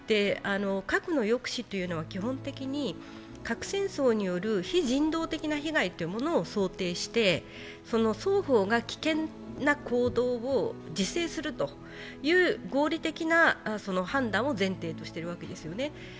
核の抑止というのは基本的に核戦争による非人道的な被害を想定して双方が危険な行動を自制するという合理的な判断を前提としているわけですよね。